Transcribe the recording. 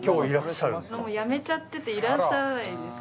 もう辞めちゃってていらっしゃらないんです。